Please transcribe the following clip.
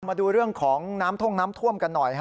มาดูเรื่องของน้ำท่งน้ำท่วมกันหน่อย